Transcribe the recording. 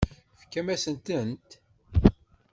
Tefkamt-asen-tent?